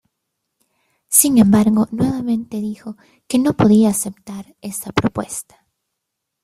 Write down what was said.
Sin embargo, nuevamente dijo que no podía aceptar esa propuesta.